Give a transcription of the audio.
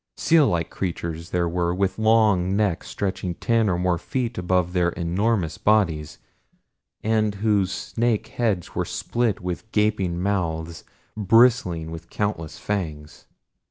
Seal like creatures there were with long necks stretching ten and more feet above their enormous bodies and whose snake heads were split with gaping mouths bristling with countless fangs.